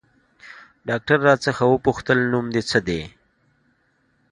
ډاکتر راڅخه وپوښتل نوم دې څه ديه.